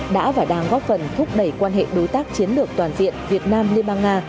đã và đang góp phần thúc đẩy quan hệ đối tác chiến lược toàn diện việt nam liên bang nga